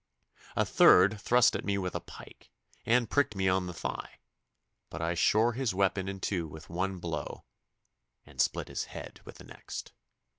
A third thrust at me with a pike, and pricked me on the thigh, but I shore his weapon in two with one blow, and split his head with the next.